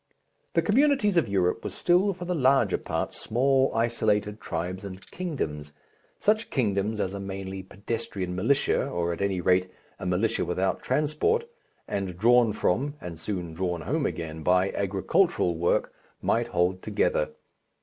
The communities of Europe were still for the larger part small isolated tribes and kingdoms, such kingdoms as a mainly pedestrian militia, or at any rate a militia without transport, and drawn from (and soon drawn home again by) agricultural work, might hold together.